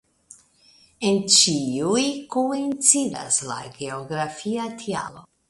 En ĉiuj koincidas la geografia tialo.